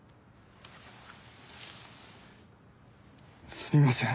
すみません